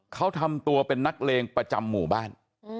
เขาทำตัวเป็นนักเลงประจำหมู่บ้าน